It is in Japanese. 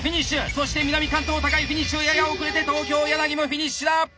そして南関東高井フィニッシュやや遅れて東京もフィニッシュだ！